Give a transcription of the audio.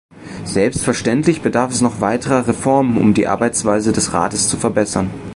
Selbstverständlich bedarf es noch weiterer Reformen, um die Arbeitsweise des Rates zu verbessern.